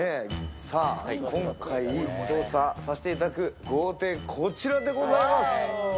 今回、捜査せていただく豪邸、こちらでございます。